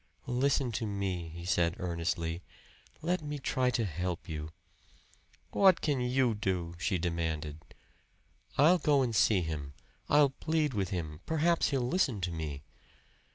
"Listen to me," he said earnestly. "Let me try to help you." "What can you do?" she demanded. "I'll go and see him. I'll plead with him perhaps he'll listen to me."